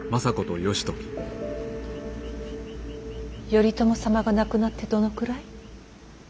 頼朝様が亡くなってどのくらい？